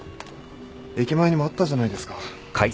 駅前にもあったじゃないですか。